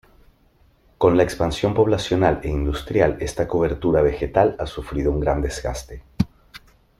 Con la expansión poblacional e industrial esa cobertura vegetal ha sufrido un gran desgaste.